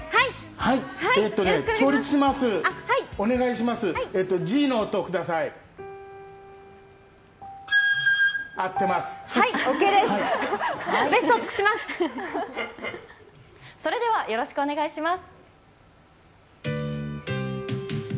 それでは、よろしくお願いします。